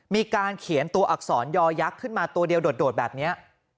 มีการเขียนตัวอักษรยอยักษ์ขึ้นมาตัวเดียวโดดแบบนี้